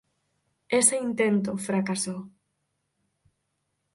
Ese Intento fracasó.